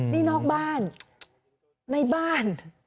นี่นอกบ้านในบ้าน